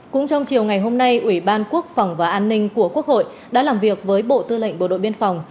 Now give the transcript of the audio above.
cũng trong chiều ngày hôm nay ủy ban quốc phòng và an ninh của quốc hội đã làm việc với bộ tư lệnh bộ đội biên phòng